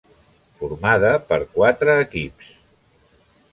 Formada per quatre equips: